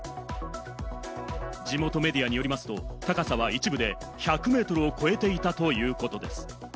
地元メディアによりますと、高さは一部で１００ｍを超えていたということです。